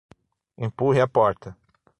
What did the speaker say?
Empurre a porta